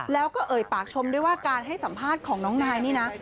แล้วก็เอ่ยปากชมด้วยว่าการให้สัมภาษณ์ของน้องนายนี่นะ